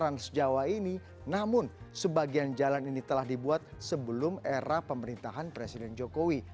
namun sebagian jalan ini telah dibuat sebelum era pemerintahan presiden jokowi